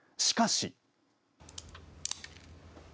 しかし。